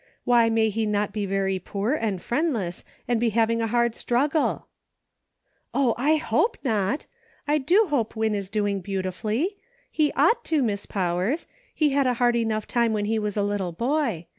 " Why may he not be very poor and friendless, and be having a hard struggle .'" "O, I hope not ! I do hope Win is doing beau tifully. He ought to, Miss Powers ; he had a hard enough time when he was a little boy.